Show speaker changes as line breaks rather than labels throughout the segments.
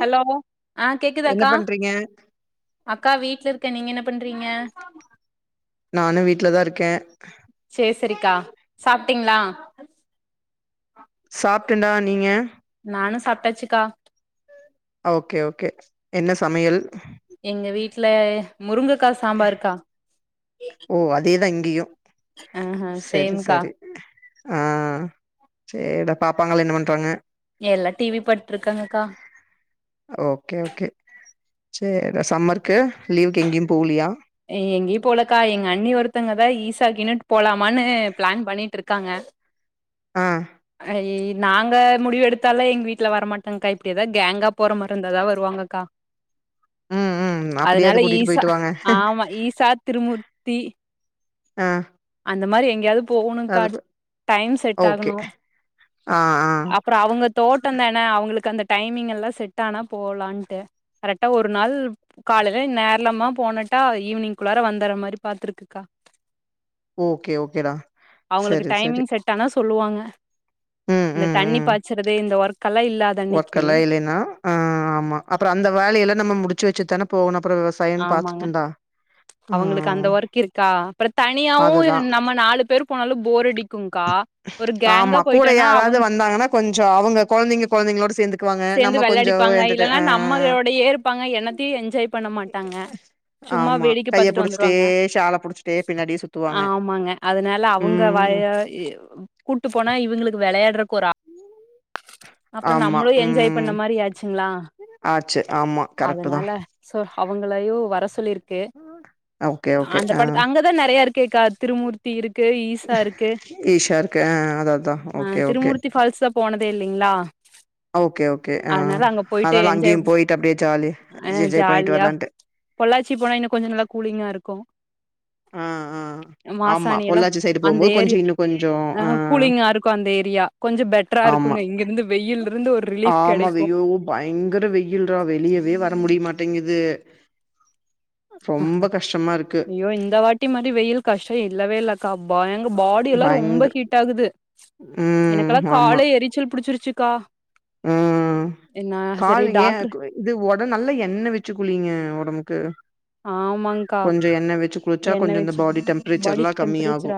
Hello ஆ கேக்குது
என்ன
அக்கா
பண்றீங்க
அக்கா வீட்ல இருக்க நீங்க என்ன பண்றீங்க
நானு வீட்லதா இருக்கே
சேரி சேரிக்கா சாப்டீங்ளா
சாப்டேடா நீங்க
நானு சாப்டாச்சிக்கா
ஓகே ஓகே என்ன சமையல்
எங்க வீட்ல முருங்கக்கா சாம்பாருக்கா
ஓ அதேதா இங்கயு
ஆஹ
சரி
சேம்க்கா
சரி ஆ சேரிடா பாப்பாங்க என்ன பண்றாங்க
எல்லா டிவி பட்டுருக்காங்கக்கா
ஓகே ஓகே சேரிடா சம்மர்க்கு லீவுக்கு எங்கியு போலியா
எங்கியு போலக்கா எங்க அண்ணி ஒருத்தவங்கதா ஈசா கின்னு [inaudible] போலாமான்னு பிளான் பண்ணிட்டுருக்காங்க
ஆ
ஐயி நாங்க முடிவு எடுத்தால்லா எங்க வீட்ல வரமாட்டங்க்கா இப்டி எதா கேங்கா போற மாறி இருந்தாதா வருவாங்கக்கா
ம் ம் அப்படியாது
அதனால
கூட்டிட்டு
ஈசா
போயிட்டு வாங்க
ஆமா ஈசா திருமூர்த்தி
ஆ
அந்த மாறி எங்கயாவது போனுக்கா
அது ப
டைம் செட்
ஓகே
ஆகணு
ஆ ஆ
அப்பறோ அவுங்க தோட்டதன் னா அவுங்களுக்கு அந்த டைமிங் எல்லா செட் ஆனா போலான்டு கரெக்டா ஒரு நாள் காலேல்ல நேர்லமா போனட்டா ஈவினிங் குள்ளார வந்தற மாரி பாத்துருக்குக்கா
ஓகே ஓகேடா
அவுங்களுக்கு
சரி சரி
டைமிங் செட் ஆனா சொல்லுவாங்க
ம்
இந்த தண்ணி பாச்சறது இந்த ஒர்க்கெல்லா இல்லா
ஒர்க்கல்லா இல்லேனா ஆ ஆமா அப்றோ அந்த வேலையெல்லா நம்ம முடிச்சு வச்சுட்தான போகனு அப்றோ பாத்து தந்தா
அவுங்களுக்கு அந்த ஒர்க் இருக்கா அப்ற தனியாவு
அதுதா
நம்ம நாலு பேர் போனாலு போரடிக் கும் கா ஒரு கேங்கா
ஆமா கூட
போயிட்டோனா அவ
யாராவது வந்தாங்கன்னா கொஞ்சோ அவங்க கொழந்தைங்க கொழந்தைங்களோட சேந்துக்குவாங்க
சேந்து
நம்ம கொஞ்சோ
வெளாடிப்பாங்க
என்டர்ட
இல்லன்னா
ஆ
நம்மளோடையே இருப்பாங்க என்னத்தியு என்ஜாய் பண்ண மாட்டாங்க
ஹ
சும்மா வேடிக்க பாத்துட்டு வந்துருவாங்க
புடிச்சிட்டே பின்னாடியே சுத்துவாங்க
ஆமாங்க அதனால அவங்க வாய
ம்
கூட்டு போனா இவுங்களுக்கு வெளையாடறக்கு ஒரு ஆ
உம்
அப்றோ நம்மளு என்ஜாய் பண்ண மாறி ஆச்சிங்ளா
ஆச்சு ஆமா கரெக்ட்டு தா
அதனால சோ அவங்களயு வர சொல்லியிருக்கு
ஓகே ஓகே
அந்த
ஆ
படத்த அங்க நறைய இருக்கேக்கா திருமூர் த்தி இருக்கு ஈசா இருக்கு
ஈஷா இருக்கு ஆ அதா அதா ஓகே ஓகே
திருமூர்த்தி ஃபால்ஸ்சப் போனதே இல்லைங்ளா
ஓகே ஓகே ஆ
போயிட்டு
அதால
என்ஜாய்
அங்கியு போயிட்டு அப்டியே ஜாலி
ஆ
ஜேஜாய் பண்ணிட்டு
ஜாலியா
வரலான்டு
பொள்ளாச்சி போனா இன்னு கொஞ்ச நல்லா கூலிங்கா இருக்கு
ஆ ஆ ஆமா
மாசாணி எல்லா
பொள்ளாச்சி சைடு
அந்த
போம்போது கொஞ்சோ
ஏரியா
இன்னு கொஞ்சோ
அ
ஆ
கூலிங்கா இருக்கு அந்த ஏரியா கொஞ்ச பெட்ரா
ஆமா
இருக்குங்க இங்க இருந்து வெயிலுருந்து ஒரு ரிலீஃப்
ஆமா
கெடைக்கு
வெய்யோ பயங்கர வெயில்ரா வெளியவே வர முடியமாட்டேங்குது ரொம்ப கஷ்டமா இருக்கு
ஐயோ இந்த வாட்டி மாரி வெயில் கஷ்டோ இல்லவே இல்ல க பயங் பாடி எல்லா ரொம்ப
பயங்கர
ஹீட் ஆகுது
ம்
எனக்குலா
ஆமா
காலே எரிச்சல் புடிச்சிருச்சுக்கா
ம்
என்ன சரி
கால் ஏ
டாக்டர்
இது ஒட நல்ல எண்ண வெச்சு குளிங்க ஒடம்புக்கு
ஆமாங்க்கா
கொஞ்ச எண்ண வெச்சு குளிச்சா
என்ன
கொஞ்சோ இந்த
வச்சு
பாடி
பாடி
டெம்ப்ரேச்சர்லா கம்மி ஆகு
டெம்பரேச்சர்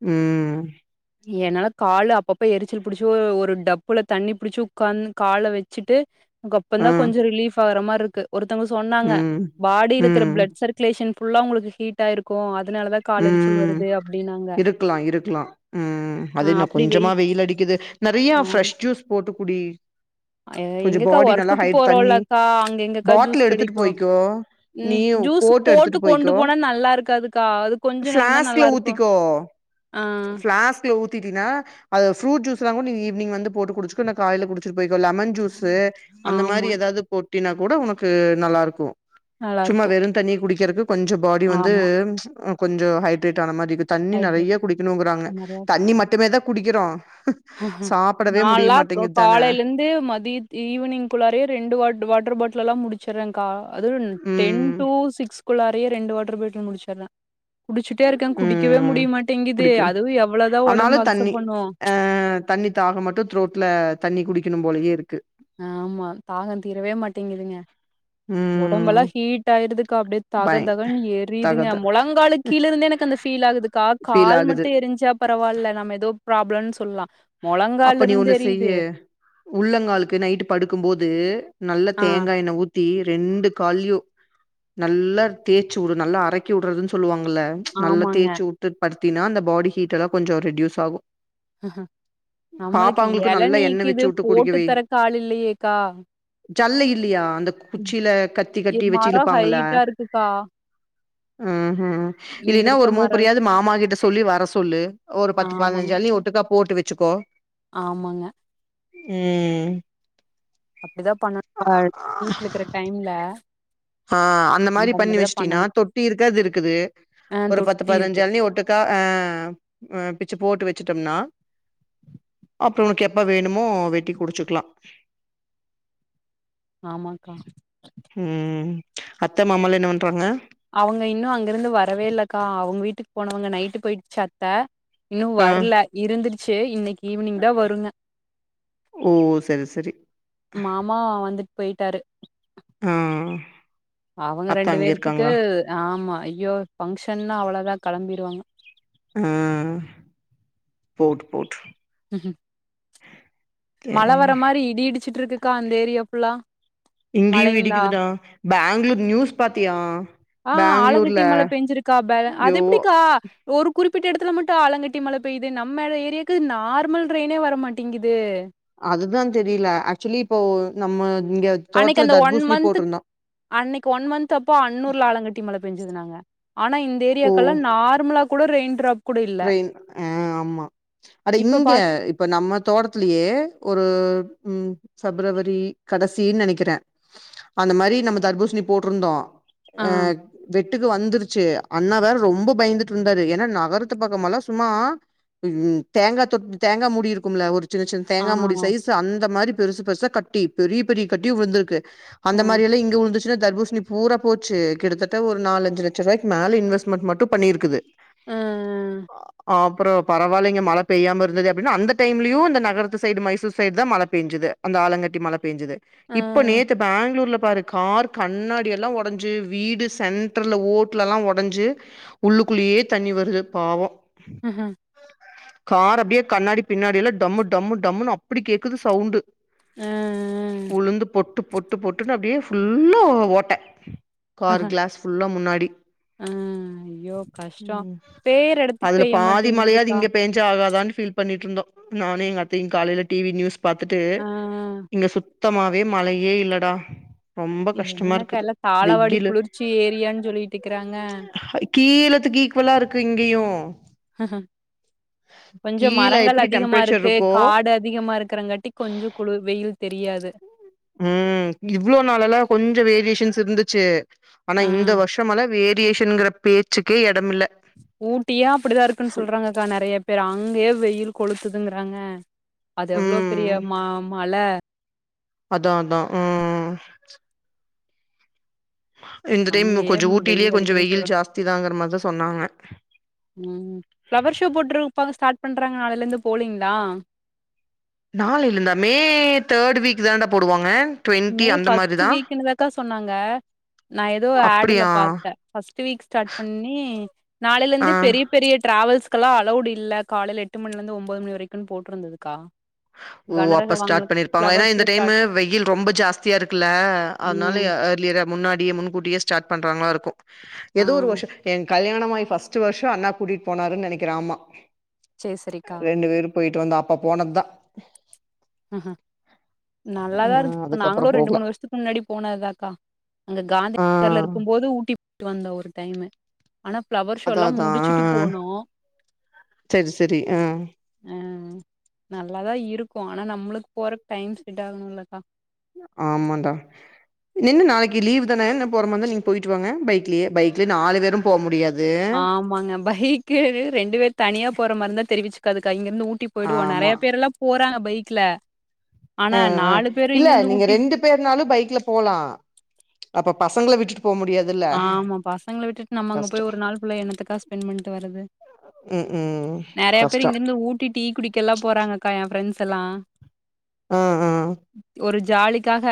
ம்
என்னால காளு அப்பப்ப எரிச்சல் புடுச்சு ஒ ஒரு டப்புல தண்ணி புடுச்சு ஒக்காந்து கால வெச்சுட்டு
ஆ
அப்பந்தா கொஞ்சோ ரிலீஃப் ஆகுற மாரிக்கு ஒருத்தங்க சொன்னாங்க
ம்
பாடி இருக்கற
ம்
பிளட் சர்குலேஷன் ஃபுல்லா உங்களுக்கு ஹீட் ஆயிருக்கு அதுனாலதா கால் எரிச்சல்
ம்
வருது அப்டினு
இருக்கலா இருக்கலா ம்
ஆ
அதுன்ன
அப்டி வெய்
கொஞ்சமா வெயிலடிக்குது நெறையா ஃப்ரெஷ் ஜூஸ் போட்டுக்குடி
அ ஏ எங்கக்கா ஒர்க்குக்கு
தண்ணி
போறோம்லக்கா அங்க எங்கக்கா ஜூஸ்
பாட்டில் எடுத்துட்டு
கெடைக்கு
போய்க்கோ நீ
ம் ஜூஸ்
எடுத்துட்டு
போட்டு கொண்டு போனா நல்லா இருக்காதுக்கா அது கொஞ்ச நேரந்தா நல்லா
பிளாஸ்க்கல
இருக்கு
ஊத்திக்கோ
ஆ
பிளாஸ்க்ல ஊத்தீட்டீனா அது ஃப்ரூட் ஜூஸ்லாங்கூடோ நீ ஈவினிங் வந்து போட்டு குடுச்சுக்கோ இல்னா காலைல குடிச்சுட்டு போய்கோ லெமன் ஜூசு அந்த
ஆமா
மாரி ஏதாது போட்டீனா கூட உனக்கு நல்லா இருக்கு
நல்லா
சும்மா
இருக்கு
வெறுந்தண்ணிய குடிக்கிறக்கு கொஞ்சோ பாடி வந்து
ஆமா
அ கொஞ்சோ ஹைட்ரேட் ஆன மாரி இருகுத் தண்ணி
ஹைட்ரேட்
நெறைய குடிக்கணுங்கறாங்க தண்ணி மட்டுமே தா குடிக்கிறோ சாப்படவே முடிய
நாலா
மாட்டேங்குது தான
காலையிலந்து மதிய ஈவினிங் குள்ளறையே ரெண்டு வாட் வாட்டர் பாட்டல்லெல்லா முடிச்சிட்றேன்கா அது டென்
ம்
டூ சிக்ஸ் குள்ளறையே ரெண்டு வாட்டர் பட்டில் முடிச்சிட்றே குடிச்சிட்டே இருக்கே குடிக்கவே
ம்
முடியமாட்டேங்கிது
குடிக்க
அதுவு எவ்ளோதா ஒடம்பு அக்சப்ட் பண்ணு
ஆ தண்ணி தாகோ மட்டு த்ரோட்ல தண்ணி குடிக்கணு போலயே இருக்கு
ஆமா தாகோ தீரவே மாட்டேங்குதுங்க
ம்
ஒடம்பெலா ஹீட் ஆயிருதுக்கா அப்டியே தக
பய
தகன்னு எரியுதுங்க
தகத
மொழங்காலு கீழ இருந்தே எனக்கு அந்த ஃபீல் ஆகுது கா
ஃபீல்
கால்
ஆகுது
மட்டு எரிஞ்சா பரவால்ல நாம ஏதோ ப்ராப்ளம்னு சொல்லலா மொழங்கால்ல இருந்து ஏரியுதே
உள்ளங்காலுளுக்கு நைட்டு படுக்கு போது நல்லா
ஆ
தேங்கா எண்ண ஊத் த்தி ரெண்டு கால்லயு நல்லா தேச்சிவுடு நல்லா அறக்கி உட்றதுன்னு சொல்லுவாங்ல நல்லா
ஆமாங்க.
தேச்சிவுட்டு படுத்தினா அந்த பாடி ஹீ்ட்டெல்லா கொஞ்சோ ரெட்யூஸ் ஆகு
அ நம்மளுக்கு
பாப்பாங்களுக்கு நல்லா எண்ணெ வச்சு
எளநீக்கிது
வுட்டு குடிக்க
போட்டு தரக்கு ஆள் இல்லயேக்கா
ஜல்ல இல்லயா அந்த குச்சில கத்தி கட்டி வெச்சு இழுப்பாங்கள
க்கா
ம் இல்லின்னா
இருக்க
ஒரு
மரம்
மூப்பரியாது மாமா கிட்ட சொல்லி வர சொல்லு ஒரு பத்து
ஆமாங்க,
பதினஞ்சு எளநீய ஒட்டுக்கா போட்டு வச்சுக்கோ
ஆமாங்க
ம்
அப்டிதா பண்ணு கா வீட்ல இக்குற டைம்ல
ஆ அந்த மாரி பண்ணி வெஷ்டின்னா தொட்டி இருக்கு அது இருக்குது
ஆ
ஒரு பத்து
தொட்டி
பதினஞ்சி
இருக்கு.
இளநீய ஒட்டு க்க ஆ பிச்சு போட்டு வெச்சுட்டோம்னா அப்றோ உனக்கு எப்ப வேணுமோ வெட்டி குடிச்சுக்லா
ஆமாக்கா
ம் அத்த மாமல்லா என்ன பண்றாங்க
அவுங்க இன்னு அங்க இருந்து வரவே இல்லக்கா அவுங்க வீட்டுக்கு போனவங்க நைட்டு போயிட்டுச்சி அத் த இன்னு
ஆ
வர்ல இருந்துடுச்சு இன்னைக் ஈவ்னிங் தா வருங்க
ஓ சரி சரி
மாமா வந்துட் போயிட்டாரு
ஆ
அவங்க
அத்த
ரெண்டு
அங்க
பேர்த்க்கு
இருக்காங்களா
ஆமா ஐயோ பஃங்க்ஷன்னா அவ்ளோதா கெளம்பிருவாங்க
ஆ போட்டோ போட்டோ
மழ
சேரி
வர மாரி இடி இடிச்சுட்டு இருக்குக்கா இந்த ஏரியா ஃபுல்லா
இங்கேயு
மழைங்ளா
இடிக்குதுடா பேங்ளூர் நியூஸ் பாத்தியா
ஆ
பேங்ளூர்ல
ஆலங்கட்டி மழ பெஞ்சிருக்கா பே
ஐயோ
அது எப்படிக்கா ஒரு குறிப்பிட்ட எடத்துல மட்டு ஆலங்கட்டி மழ பெய்யுது நம்மள ஏரியாக்கு நார்மல் ரெயின்னே வர மாட்டேங்குது
அதுதா தெரியல ஆக்சுவலி இப்போ நம்ம இங்க
அன்னைக்கு
தோட்டத்துல
அந்த ஒன்
தர்பூசணி
மந்த்துக்
போட்ருந்தோ
அன்னைக்கு ஒன் மந்த் அப்போ அன்னூர்ல ஆலங்கட்டி மழ பெஞ்சுதுன்னாங்க ஆனா
ஓ
இந்தேரியாக்கல்லா நார்மலா கூட ரெய்ன்ட்ராப்
ரெயின் ஆ ஆமா அட
இப்ப
இங்கே
பாத்
இப்ப நம்ம தோட்டத்லயே ஒரு ம் ஃபெப்ரவரி கடசீனு நெனைக்கிறே அந்த மாரி நம்ம தர்பூசணி போட்ருந்தோ ஆ வெட்டுக்கு வந்துருச்சு அண்ணா வேற ரொம்ப பயந்துட்டுருந்தாரு ஏன்னா நகரத் துப் பக்கமல்லா சும்மா இது தேங்கா தொ தேங்கா மூடி இருக்கும்ல ஒரு சின்ன சின்ன
ஆ
தேங்கா மூடி சைஸ் சு அந்த மாரி பெருசு பெருசா கட்டி பெரிய பெரிய கட்டி விழுந்திருக்கு
அ
அந்த மாரி எல்லா இங்க உழுந்துச்சு சுனா தர்பூசணி பூரா போச்சு கிட்டத்தட்ட ஒரு நாலஞ்சு லட்ச ரூவாய்க்கு மேல இன்வெஸ்மெட் மட்டு பண்ணிருக்குது
ம் ம்
அ அப்பறோ பரவாலைங்க மழ பெய்யாம இருந்ததே அப்ப அந்த டைம்லயு இந்த நகரத்து சைடு மைசூர் சைடுதா மழ பெஞ்சுது அந்த ஆலங்கட்டி மழ பேஞ்சுது இப்ப
அ
நேத்து பெங்ளூர்ல பாரு கார் கண்ணாடி எல்லா ஒடஞ்சு வீடு சென்ட்ருல்ல ஓட்டுலல்லா ஒடஞ்சு உள்ளுக்குள்ளேயே தண்ணி வருது பாவோ
ம்
கார் அப்டியே கண்ணாடி பின்னாடி எல்லா டம்மு டம்மு டம்முன்னு அப்டி கேக்குது சவுண்டு்
அ அ
உழுந்து பொட்டு பொட்டு பொட்டுன்னு அப்டியே ஃபுல்லா ஓட்ட கார் கிளாஸ் ஃபுல்லா முன்னாடி
ஆ ஐயோ கஷ்டொ
ம்
பேய்ற எடத்துக்கு
அதுல
பெய்ய
பாதி மழையாது
மாட்டேங்குதுக்கா
இங்க பேஞ்சா அவளோ தான்னு ஃபீல் பண்ணிட்டு இருந்தோ நானு எங்க அத்தையு காலையில டி வி நியூஸ் பாத்துட்டு
ஆ
இங்க சுத்தமாவே மழையே இல்லடா ரொம்ப கஷ்டமா
என்னக்கா
இருக்குது
எல்லா தாளவாடி
வெயில்லு
குளிர்ச்சி ஏரியான்னு சொல்லிட்டுக்கிறாங்க
ஹை கீழத்துக்கு ஈக்குவலா இருக்கு இங்கயு
கொஞ்சொ
கீழ
மரங்கள்
எப்டி
அதிகமா
டெம்பரேச்சர்
இருக்கு
இருக்கோ
காடு அதிகமா இருக்கிறங்காட்டி கொஞ்சொ குளு வெயில் தெரியாது
ம் இவ்ளோ நாளல்லா கொஞ்சொ வேரியேஷன்ஸ் இருந்துச்சு ஆனா
ஆ
இந்த வருஷம்லா வேரியேஷன்ங்கிற பேச்சுக்கே எடமில்ல
ஊட்டியே அப்டிதா இருக்குன்னு
ஃபுல்
சொல்றாங்கக்கா நெறைய பேரு அங்கயே வெயில் கொளுத்துதுங்றாங்க அது எவ்ளோ பெரிய
ம்
ம மல
அதா அதா ம் இந்த டைம்
அங்கயே
கொஞ்சொ ஊட்டிலே
வெயில்
கொஞ்சொ
அடிக்குதுன்னு
வெயில்
சொல்றாங்க
ஜாஸ்தி தாங்கிற மார்தா சொன்னாங்க
ம் ஃப்ளவர் ஷோ போட்டுருப்பாங்க ஸ்டார்ட் பண்றாங்க நாளைலந்து போலீங்களா
நாளைல இருந்தா மே தேர்ட் வீக் தான்டா போடுவாங்க டுவெண்ட்டி
மே
அந்த
ஃபர்ஸ்ட்
மாரிதா
வீக்ன்னுதாக்கா சொன்னாங்க நா எதோ ஆடுல
அப்டியா
பாத்த ஃபர்ஸ்ட் வீக் ஸ்டார்ட் பண்ணி
ஆ
நாளையிலந்து பெரிய பெரிய டிராவல்ஸ்கெல்லா அலவ்டு இல்ல காலைல எட்டு மணிலந்து ஒம்போது மணி வரைக்குன்னு போட்டுருந்துதுக்கா
ஓ அப்ப ஸ்டார்ட் பண்ணிருப்பாங்க ஏனா
ஷோ
இந்த டைம்மு
ஸ்டார்ட்
வெயில் ரொம்ப ஜாஸ்தியா இருக்குல்ல அதனால
ம்
ஆர்லியரா முன்னாடியே முன்கூட்டியே ஸ்டார்ட் பண்றாங்ளா இருக்கு
ஆ
ஏதோ ஒரு வருஷோ எ கல்யாணமாய் ஃபஸ்ட்டு வருஷோ அண்ணா கூட்டிட் போனாருன் நெனைக்குறே அம்மா
சேரி சேரிக்கா
ரெண்டு பேரு போய்ட்டு வந்தோ அப்பா போனத்தா
ம் நல்லாதா இருந் இப்ப
அதுக்கப்புறோ
நாங்குளு ரெண்டு
போகல
மூணு வர்ஷத்துக் கு முன்னாடி போனதாக்கா அங்க காந்தி
ஆ
நகர்ல இருக்கும்போது ஊட்டிக் போய்ட்டு வந்தோ ஒரு டைமு ஆனா ஃபளவர்
அதா
ஷோலா
அதா ஆ
முடிச்சுட்டு போனோ
செரி செரி ஆ
ஆ நல்லாதா இருக்கு ஆனா நம்ளுக் போறக் டைம் செட் ஆகணுலக்கா
ஆமாடா நின்னு நாளைக்கு லீவதான என்ன போற மார்ருந்த நீங்க போய்ட்டு வாங்க பைக்லயே பைக்லய நாலு பேரு போ முடியாது
ஆமாங்க பைக் கு ரெண்டு பேர் தனியா போற மார்ருந்தா தெரிவிச்சுக்காதுக்கா இங்கருந்து ஊட்டி போய்டுவோ
ஆமா
நறைய பேரலா போறாங்க பைக்ல ஆனா
ஆ ஆ
நாலு பேரு
இல்ல
இங்கிருந்து
நீங்க
ஊட்டி
ரெண்டு பேருனாலு பைக்ல போலா அப்ப பசங்கள விட்டுட்டு போ முடியாது
ஆமா பசங்கள விட்டுட் நம்ம அங்க போய் ஒரு நாள் ஃபுல்லா என்னத்துக்கா ஸ்பெண் பண்ட்டு வரது
ம் ம்
நறைய பேர்
கஷ்டோ
இங்கருந்து ஊட்டி டீ குடிக்கலா போறாங்கக்கா எ ஃப்ரெண்ட்ஸலா
ம் ம்
ஒரு ஜாலிக்காக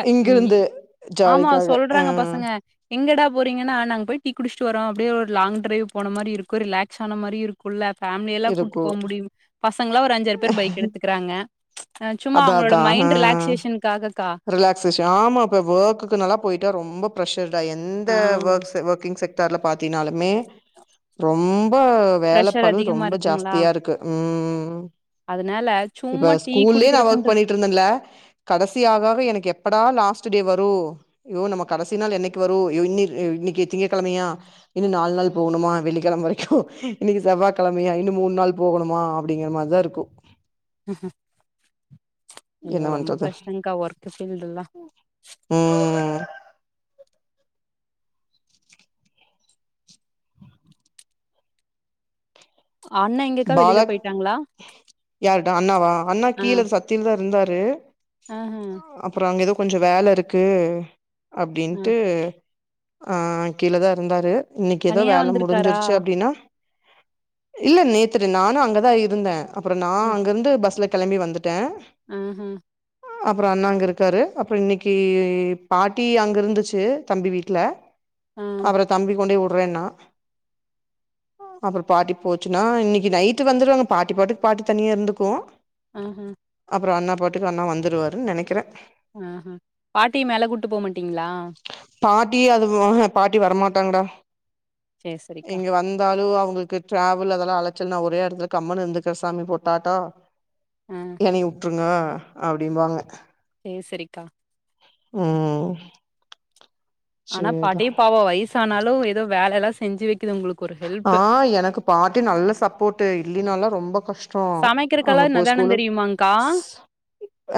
ஆமா
ஜாலிக்காக ஆ
சொல்றாங்க பசங்க எங்கடா போறீங்கன்னா நாங்க போய் டீ குடிச்சுட்டு வரோ அப்டியே ஒரு லாங் ட்ரைவ் போனமாரி இருக்கு ரிலாகஸானமாரி இருக் ஃபுல்லா ஃபேமிலியலா கூட்டு
இருக்கு
போ முடியும் பசங்கலா ஒரு அஞ்சாறு பேர் பைக் எடுத்துக்குறாங்க ஆ சும்மா
அதா
அவங்களோட மைண்ட் ரிலாக் சேஷனுக்காகக்கா
ரிலாக் சேஷன் ஆமா இப்ப வொர்க்குக்குனாலா போய்ட்டா ரொம்ப ப்ரெஷர்டா எந்த
ஆ
வொர்க்ஸு வொர்க் புக்கிங் செக்டார்ல பாத்திங்னாலுமே ரொம்ப வேல
ப்ரெஷர்
பாத்து
அதிகமா
ரொம்ப
இருக்குங்களா
ஜாஸ்தியா இருக்கு ம்
அதனால சும்மா டீ குடிக்கருக்குன்ருக்
இருந்தன்ல கடசி ஆக ஆக எனக்கு எப்படா லாஸ்டுடே வரு யோ நம்ம கடசினால் என்னைக்கு வரு யோ இன்னிக் இன்னிக்கு திங்ககழமையா இன்னு நால்நாள் போகணுமா வெள்ளிக்கழம வரிக்கு இன்னிக்கு செவ்வா கழமையா இன்னு மூண்நாள் போகணுமா அப்டிங்கற மாரிதா இருக்கு
ம் ம்
என்ன
ஐயோ ரொம்ப
பண்றது
கஷ்டங்க்கா வொர்க்கு ஃபீல்டுலா
ம்
அண்ண எங்கக்கா வெளில
பாலக்
போயிட்டாங்களா
யாருடா அண்ணாவா அண்ணா
ஆ
கீழ சத் கீழதா இருந்தாரு
ஆஹ
அப்றோ அங்க எதோ கொஞ்சோ வேல இருக்கு
ஆ
அப்டின்ட்டு ஆ கீழதா இருந்தாரு இன்னிக்கு எதோ
தனியா
வேல
வந்திருக்காரா
முடிஞ்சிருச்சு அப்டினா இல்ல நேத் செரி நானு அங்கதா இருந்தே அப்பறோ நா அங்கருந்து பஸ்ல கெளம்பி வந்துட்டே
ம் ஹும்
உஹம் அப்பறோ அண்ணா அங்க இருக்காரு அப்பறோ இன்னிக்கி பாட்டி அங்கருந்துச்சு தம்பி வீட்ல அப்பறோ தம்பி கொண்டோய் உட்றேன்னா அப்பறோ பாட்டி போச்சுன்னா இன்னிக் இ நைட்டு வந்துருவாங்க பாட்டி பாட்டுக்கு பாட்டி தனியாருந்துக்கு
ம் ஹும்
அப்பறோ அண்ணா பாட்டுக்கு அண்ணா வந்துருவாருன் நெனைக்குறே
அஹ பாட்டிய மேல கூட்டு போ மாட்டிங்ளா
பாட்டி அது [unintelligible] பாட்டி வரமாட்டாங்கடா
சேர் செரிக்கா
இங்க வந் தாலு அவுங்களுக்கு டிராவல் அதெல்லா அழச்சல் நா ஒரே எடத்துல கம்முனு இருந்துக்கற சாமி பொட்டாட்டோ
ஆ
என்னைய உட்ருங்க அப்படிம்பாங்க
சேர் செரிக்கா
ம்
அனா
சேர்டா
பாட்டி பாவோ வயசனாலு எதோ வேலலா செஞ்சு வெக்குது உங்களுக்
ஆ எனக்கு பாட்டி நல்ல சப்போட்டு இல்லீனாலா ரொம்ப கஷ்டோ
கிருகல்லா நெதானோ தெரியுமாங்கா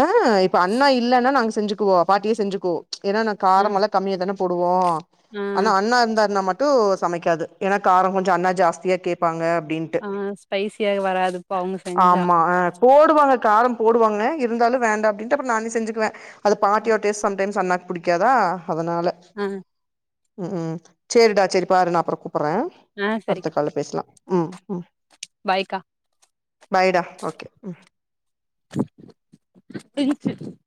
அ இப்ப அண்ணா இல்லன்னா நாங்க செஞ்சுக்குவோ பாட்டியே செஞ்சுக்கு ஏன்னா நா
ஆ
காரமெல்லா கம்மியா தான போடுவோ
ஆ
அனா அண்ணா இருந்தாருன்னா மட்டு சமைக்காது ஏன்னா காரோ கொஞ்சோ அண்ணா ஜாஸ்தியா கேப்பாங்க அப்டின்
ஆ ஸ்பைசியா வராதுப்ப அவுங்க செஞ்சா
ஆமா ஆ போடுவாங்க காரோ போடுவாங்க இருந்தாலு வேண்டா அப்டின்ட்டு அப்பறோ நானே செஞ்சுக்குவே அது பாட்டியோட டேஸ்ட் சம்டைம்ஸ் அண்ணாக்கு புடிக்காதா அதனால
அ
ம் சேரிடா சேரி பாரு நா அப்பறோ கூப்பர்ர
ஆ
அடுத்த
செரிக்கா
கால்ல பேசலா ம் ம் பைடா ஓகே ம்
[inaudible]